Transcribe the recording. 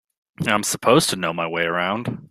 I'm supposed to know my way around.